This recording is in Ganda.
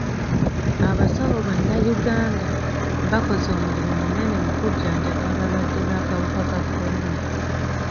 Abasawo bannayuganda bakoze omulimu munene mu kujjanjaba abalwadde b'akawuka ka kolona.